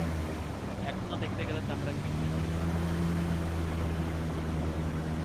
এখন না দেখিতে গেলে তাহারা কী মনে করিবে।